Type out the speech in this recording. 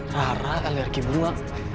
rara alergi bunga